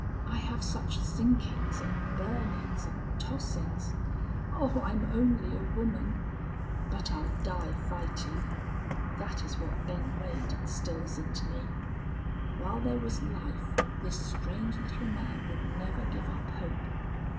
I have such sinkings and burnings and tossings. Oh, I'm only a woman! But I'll die fighting. That is what Ben Wade instils into me. While there was life this strange little man would never give up hope.